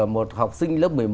một học sinh lớp một mươi một